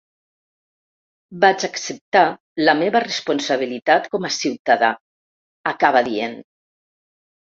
Vaig acceptar la meva responsabilitat com a ciutadà, acaba dient.